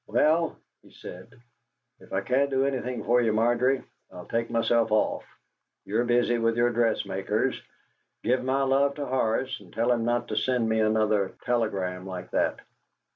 "Well," he said, "if I can't do anything for you, Margery, I'll take myself off; you're busy with your dressmakers. Give my love to Horace, and tell him not to send me another telegram like that."